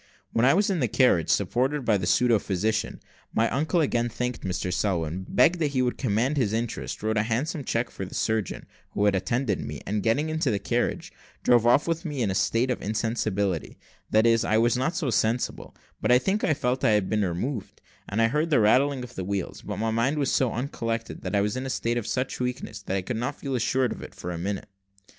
When I was in the carriage, supported by the pseudo physician, my uncle again thanked Mr Selwin, begged that he would command his interest, wrote a handsome check for the surgeon who had attended me, and getting into the carriage, drove off with me still in a state of insensibility that is, I was not so insensible, but I think I felt I had been removed, and I heard the rattling of the wheels; but my mind was so uncollected, and I was in a state of such weakness, that I could not feel assured of it for a minute.